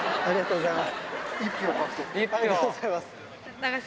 ありがとうございます。